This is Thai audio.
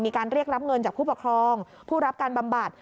มีการเรียกรับเงินจากผู้ปกครองผู้รับการบำบัด